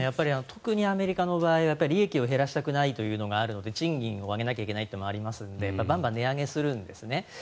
特にアメリカの場合利益を減らしたくなくて賃金を上げなきゃいけないというのがありますのでばんばん値上げするんですね。